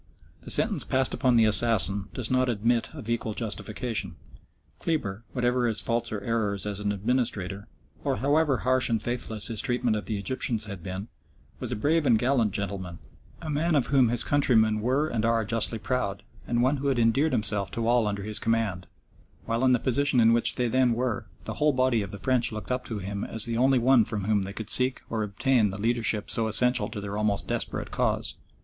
The sentence passed upon the assassin does not admit of equal justification. Kleber, whatever his faults or errors as an administrator, or however harsh and faithless his treatment of the Egyptians had been, was a brave and gallant gentleman, a man of whom his countrymen were and are justly proud, and one who had endeared himself to all under his command, while in the position in which they then were the whole body of the French looked up to him as the only one from whom they could seek or obtain the leadership so essential to their almost desperate case.